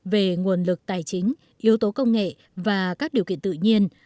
về nguồn lực tài chính yếu tố công nghệ và các điều kiện tự nhiên